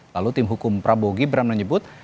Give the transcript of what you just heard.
lalu tim hukum prabowo gibran menyebut